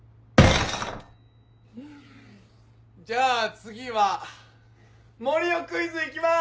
じゃあ次は森生クイズ行きます！